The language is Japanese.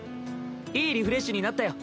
いいリフレッシュになったよ。